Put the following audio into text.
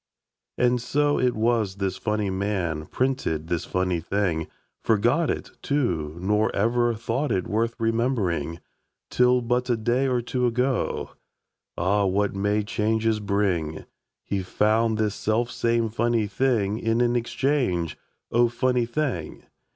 And so it was this funny man Printed this funny thing Forgot it, too, nor ever thought It worth remembering, Till but a day or two ago. (Ah! what may changes bring!) He found this selfsame funny thing In an exchange "O, funny thing!"